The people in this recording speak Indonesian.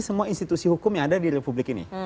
semua institusi hukum yang ada di republik ini